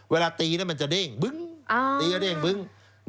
เวลาตีมันจะเด้ง